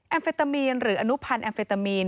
เฟตามีนหรืออนุพันธ์แอมเฟตามีน